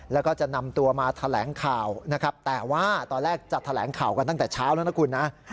แล้วก็จะนำตัวมาแถลงข่าวนะครับแต่ว่าตอนแรกจะแถลงข่าวกันตั้งแต่เช้าแล้วนะคุณนะ